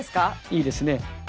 いいですね。